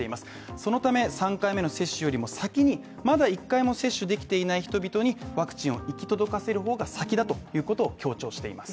そのため３回目の接種よりも先にまだ１回も接種できていない人びとにワクチンを行き届かせるほうが先だということを強調しています